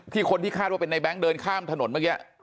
คนที่คาดว่าเป็นในแง๊งเดินข้ามถนนเมื่อกี้